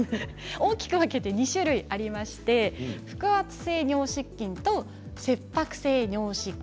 大きく分けて２種類ありまして腹圧性尿失禁と切迫性尿失禁。